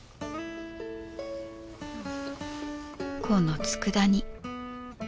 このつくだ煮。